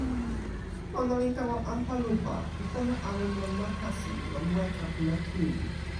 ona li tawa anpa lupa, li pona awen lon ma kasi, lon weka pi ma kili.